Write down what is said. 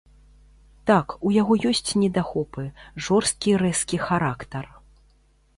Так, у яго ёсць недахопы, жорсткі і рэзкі характар.